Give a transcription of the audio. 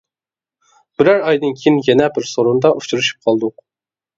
بىرەر ئايدىن كىيىن يەنە بىر سورۇندا ئۇچرىشىپ قالدۇق.